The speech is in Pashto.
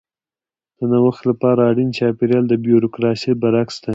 د نوښت لپاره اړین چاپېریال د بیوروکراسي برعکس دی.